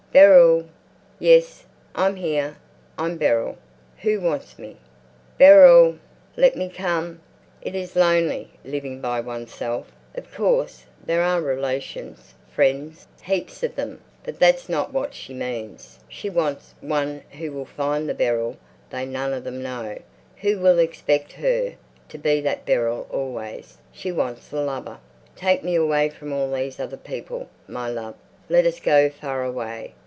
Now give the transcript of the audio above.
"Beryl!" "Yes, I'm here. I'm Beryl. Who wants me?" "Beryl!" "Let me come." It is lonely living by oneself. Of course, there are relations, friends, heaps of them; but that's not what she means. She wants some one who will find the Beryl they none of them know, who will expect her to be that Beryl always. She wants a lover. "Take me away from all these other people, my love. Let us go far away.